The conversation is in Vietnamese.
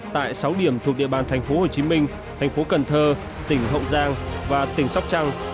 tại sáu điểm thuộc địa bàn tp hcm tp cn tỉnh hậu giang và tỉnh sóc trăng